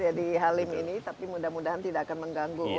ya di halim ini tapi mudah mudahan tidak akan mengganggu